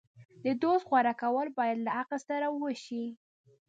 د دوست غوره کول باید له عقل سره وشي.